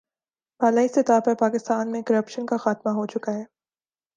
بالائی سطح پر پاکستان میں کرپشن کا خاتمہ ہو چکا ہے